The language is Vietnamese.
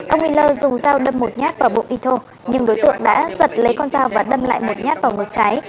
ông miller dùng dao đâm một nhát vào bụng ito nhưng đối tượng đã giật lấy con dao và đâm lại một nhát vào ngực trái